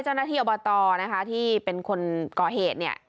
เจ้าหน้าที่อบตนะคะที่เป็นคนก่อเหตุเนี่ย